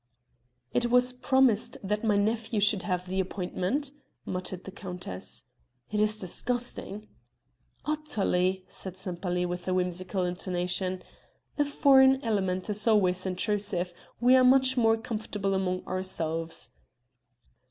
"I was promised that my nephew should have the appointment," muttered the countess. "It is disgusting!" "Utterly!" said Sempaly with a whimsical intonation. "A foreign element is always intrusive; we are much more comfortable among ourselves."